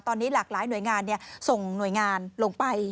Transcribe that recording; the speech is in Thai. ตอนนี้หลากหลายหน่วยงานส่งหน่วยงานลงไป